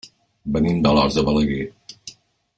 Venim d'Alòs de Balaguer.